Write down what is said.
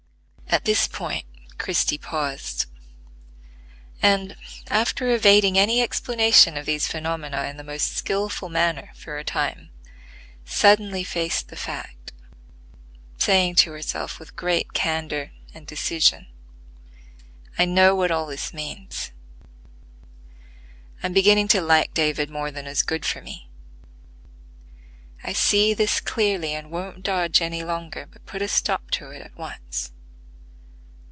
At this point Christie paused; and, after evading any explanation of these phenomena in the most skilful manner for a time, suddenly faced the fact, saying to herself with great candor and decision: "I know what all this means: I'm beginning to like David more than is good for me. I see this clearly, and won't dodge any longer, but put a stop to it at once.